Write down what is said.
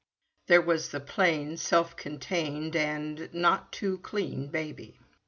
There was the plain, self contained, and not too clean baby.